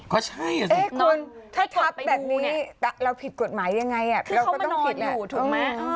ก็ใช่สิคุณถัดแบบนี้เราผิดกฎหมายยังไงอ่ะเราก็ต้องผิดแหละคือเขามานอนอยู่ถูกไหม